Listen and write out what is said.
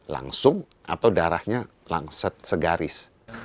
langsung atau darahnya langset segaris